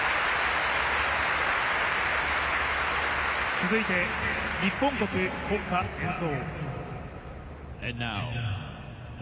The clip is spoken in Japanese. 続いて、日本国国歌演奏。